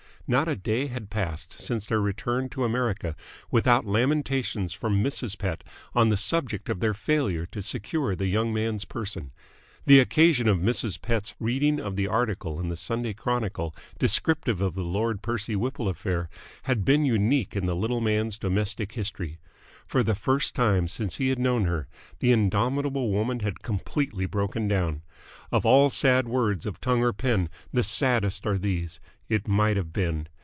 Not a day had passed since their return to America without lamentations from Mrs. Pett on the subject of their failure to secure the young man's person. The occasion of Mrs. Pett's reading of the article in the Sunday Chronicle descriptive of the Lord Percy Whipple affair had been unique in the little man's domestic history. For the first time since he had known her the indomitable woman had completely broken down. Of all sad words of tongue or pen the saddest are these "It might have been!"